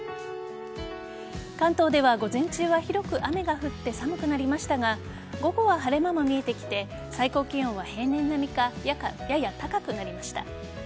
関東では午前中は広く雨が降って寒くなりましたが午後は晴れ間も見えてきて最高気温は平年並みかやや高くなりました。